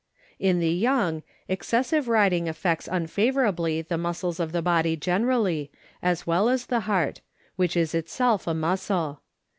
In the young, excessive riding affects unfavorably the muscles of the body generally, as well as the heart, which is itself a muscle.